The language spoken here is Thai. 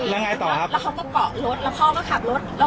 ยังไงต่อแล้วเขาก็เกาะรถแล้วพ่อก็ขับรถ